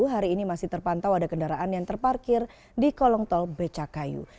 hari ini masih terpantau ada kendaraan yang terparkir di kolong tol becakayu